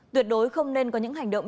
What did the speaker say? tuyệt đối không nên có những hành động